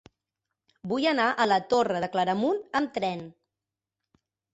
Vull anar a la Torre de Claramunt amb tren.